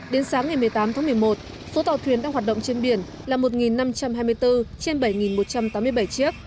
đến sáng ngày một mươi tám tháng một mươi một số tàu thuyền đang hoạt động trên biển là một năm trăm hai mươi bốn trên bảy một trăm tám mươi bảy chiếc